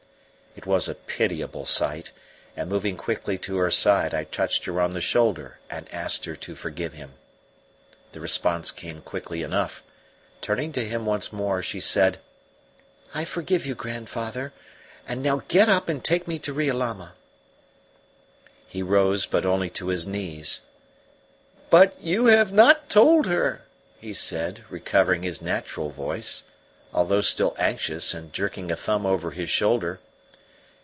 It was a pitiable sight, and moving quickly to her side I touched her on the shoulder and asked her to forgive him. The response came quickly enough. Turning to him once more, she said: "I forgive you, grandfather. And now get up and take me to Riolama." He rose, but only to his knees. "But you have not told her!" he said, recovering his natural voice, although still anxious, and jerking a thumb over his shoulder.